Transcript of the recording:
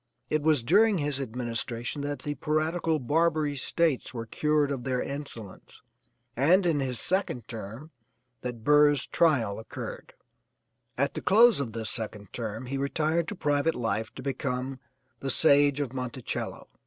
It was during his administration that the piratical Barbary States were cured of their insolence, and in his second term that Burr's trial occurred. At the close of this second term he retired to private life to become the 'Sage of Monticello.'